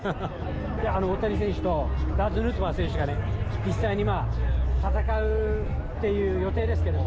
大谷選手とラーズ・ヌートバー選手が実際に戦うっていう予定ですけれども。